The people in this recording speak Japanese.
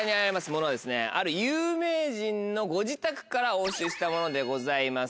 ものはある有名人のご自宅から押収したものでございます。